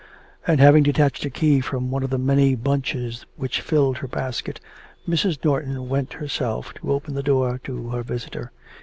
And having detached a key from one of the many bunches which filled her basket, Mrs. Norton went herself to open the door to her visitor.